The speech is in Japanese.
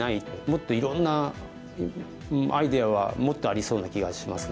もっといろんなアイデアはもっとありそうな気がしますね。